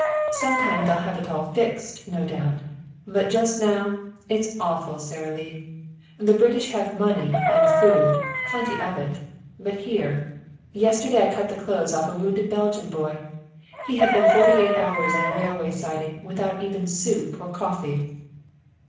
Sometime they'll have it all fixed, no doubt, but just now it's awful, Sara Lee. The British have money and food, plenty of it. But here yesterday I cut the clothes off a wounded Belgian boy. He had been forty eight hours on a railway siding, without even soup or coffee."